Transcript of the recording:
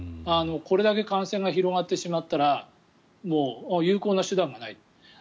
これだけ感染が広がってしまったらもう有効な手段がない。